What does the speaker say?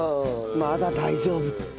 まだ大丈夫って。